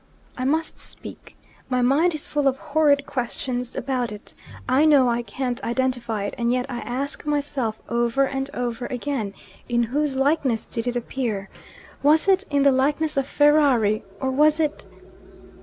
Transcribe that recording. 'I must speak! My mind is full of horrid questions about it. I know I can't identify it and yet I ask myself over and over again, in whose likeness did it appear? Was it in the likeness of Ferrari? or was it